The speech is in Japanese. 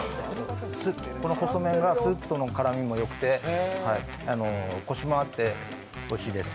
この細麺がスープとの絡みもよくてコシもあっておいしいです。